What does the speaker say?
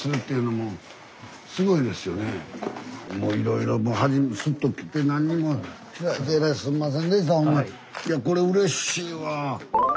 もういろいろ初めスッと来て何にもいやこれうれしいわ。